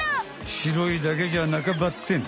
白いだけじゃなかばってん。